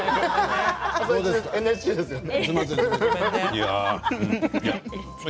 ＮＨＫですよね。